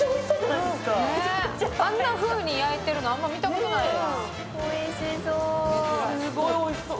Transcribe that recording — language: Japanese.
あんなふうに焼いてるのあんま見たことないな。